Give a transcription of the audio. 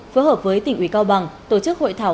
phối hợp với tỉnh ủy cao bằng tổ chức hội thảo